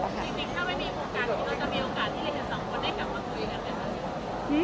จริงถ้าไม่มีโครงการนี้เราจะมีโอกาสที่จะเห็นสองคนได้กลับมาคุยกันได้ไหม